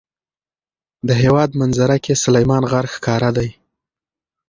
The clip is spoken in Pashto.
د هېواد منظره کې سلیمان غر ښکاره دی.